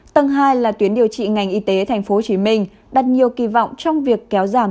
tầng hai là tuyến điều trị ngành y tế tp hcm đặt nhiều kỳ vọng trong việc kéo giảm